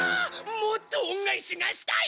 もっと恩返しがしたい！